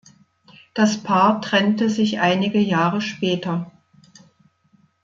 Das Paar trennte sich einige Jahre später.